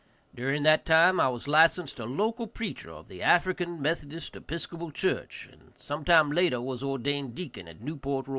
During that time I was licensed a local preacher of the African Methodist Episcopal church, and sometime later was ordained deacon at Newport, R.